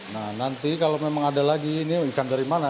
nah nanti kalau memang ada lagi ini ikan dari mana